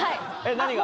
何が？